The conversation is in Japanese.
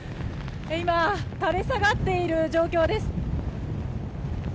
今、垂れ下がっている状況です。